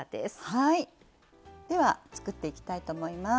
ではつくっていきたいと思います。